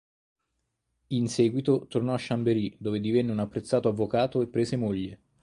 In seguito tornò a Chambéry dove divenne un apprezzato avvocato e prese moglie.